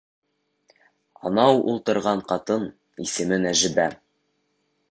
Анау ултырған ҡатын, исеме Нәжибә.